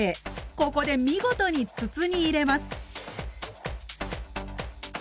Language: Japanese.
ここで見事に筒に入れます。